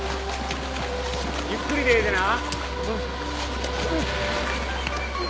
ゆっくりでええでな。